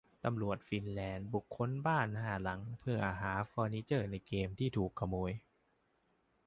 ตำรวจฟินแลนด์บุกค้นบ้านห้าหลังเพื่อหาเฟอร์นิเจอร์ในเกมที่ถูกขโมย